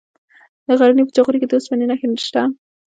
د غزني په جاغوري کې د اوسپنې نښې شته.